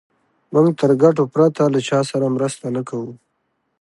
موږ تر ګټو پرته له چا سره مرسته نه کوو.